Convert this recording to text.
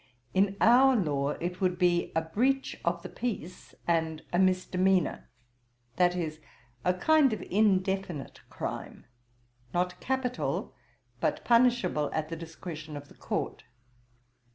In our law it would be a breach of the peace, and a misdemeanour: that is, a kind of indefinite crime, not capital, but punishable at the discretion of the Court.